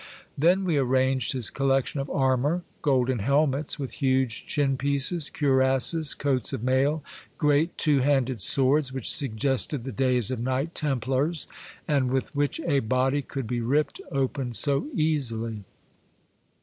Then we arranged his collection of armor, golden helmets with huge chin pieces, cuirasses, coats of mail, great two handed swords, which suggested the days of Knight templars, and with which a body could be ripped open so easily.